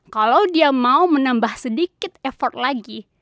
kalau dia mau menambah sedikit effort lagi